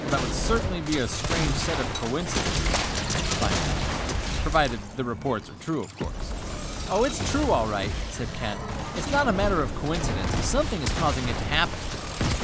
"That would certainly be a strange set of coincidences," he said finally, "provided the reports are true, of course." "It's true, all right," said Ken. "It's not a matter of coincidence. Something is causing it to happen!"